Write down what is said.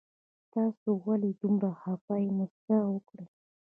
تاسو ولې دومره خفه يي مسکا وکړئ